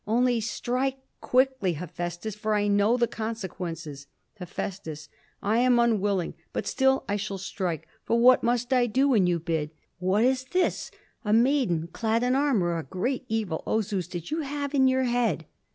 _ "Only strike quickly, Hephæstus, for I know the consequences." Heph. "I am unwilling, but still I shall strike, for what must I do when you bid? What is this? A maiden clad in armor! A great evil, O Zeus, did you have in your head!